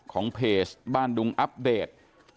ของเพจบ้านดุงอัพเดท